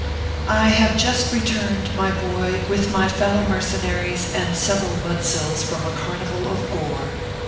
I HAVE just returned, my "boy, with my fellow mercenaries and several mudsills from a carnival of gore.